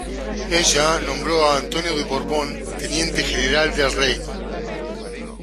Ella nombró a Antonio de Borbón Teniente General del Reino.